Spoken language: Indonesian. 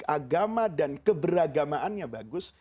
agama dan keberagamaannya bagus